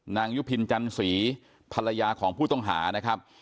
ยุพินจันสีภรรยาของผู้ต้องหานะครับ